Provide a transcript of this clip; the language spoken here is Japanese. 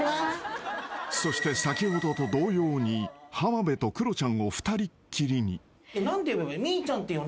［そして先ほどと同様に浜辺とクロちゃんを二人っきりに］えっ？